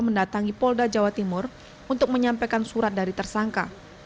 mendatangi polda jawa timur untuk menyampaikan surat dari tersangka